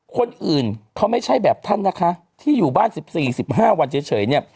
คนอื่นเขาไม่ใช่แบบท่านนะคะที่อยู่บ้าน๑๔๑๕วันเฉยเนี่ย